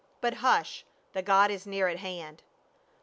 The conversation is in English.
But hush, the god is near at hand."